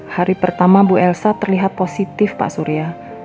hari pertama bu elsa terlihat positif pak surya